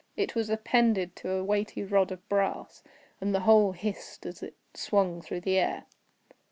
It was appended to a weighty rod of brass, and the whole hissed as it swung through the air.